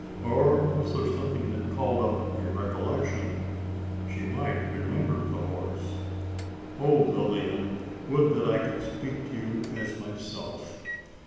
Or was there something that called up a recollection! She might remember the horse? "Oh, Lilian! would that I could speak to you as myself!